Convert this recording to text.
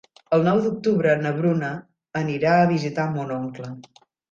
El nou d'octubre na Bruna anirà a visitar mon oncle.